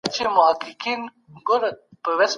تر ماښامه به هغوی عادلانه فيصله ليکلې وي.